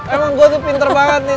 emang gue tuh pinter banget nih